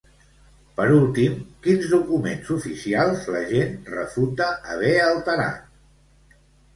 Per últim, quins documents oficials l'agent refuta haver alterat?